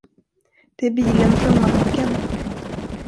Det är bilen från macken.